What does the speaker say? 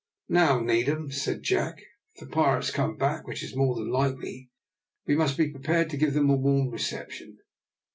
"Now, Needham," said Jack, "if the pirates come back, which is more than likely, we must be prepared to give them a warm reception.